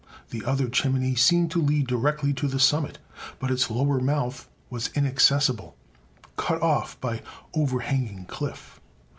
The other chimney seemed to lead directly to the summit, but its lower mouth was inaccessible cut off by overhanging cliff.